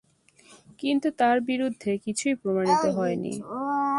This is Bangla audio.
কিন্তু তার বিরুদ্ধে কিছুই প্রমাণিত হয়নি।